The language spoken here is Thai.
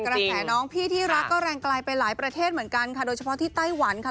กระแสน้องพี่ที่รักก็แรงไกลไปหลายประเทศเหมือนกันค่ะโดยเฉพาะที่ไต้หวันค่ะ